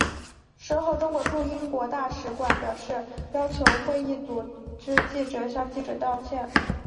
事后中国驻英国大使馆表示要求会议组织者向记者道歉。